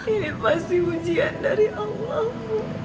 ini pasti ujian dari allah